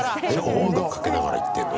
音楽かけながら行ってんの？